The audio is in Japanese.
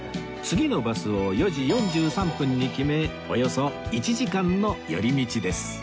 次のバスを４時４３分に決めおよそ１時間の寄り道です